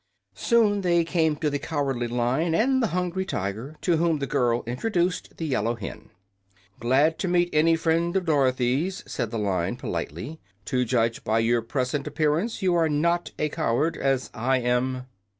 Soon they came to the Cowardly Lion and the Hungry Tiger to whom the girl introduced the Yellow Hen. "Glad to meet any friend of Dorothy's," said the Lion, politely. "To judge by your present appearance, you are not a coward, as I am."